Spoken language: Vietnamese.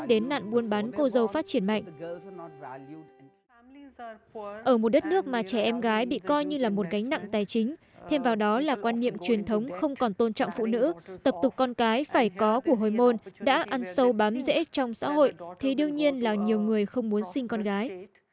ở một đất nước mà trẻ em gái bị coi như là một gánh nặng tài chính thêm vào đó là quan niệm truyền thống không còn tôn trọng phụ nữ tập tục con cái phải có của hồi môn đã ăn sâu bám dễ trong xã hội thì đương nhiên là nhiều người không muốn sinh con gái